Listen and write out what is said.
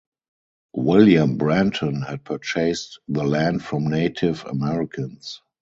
William Brenton had purchased the land from Native Americans.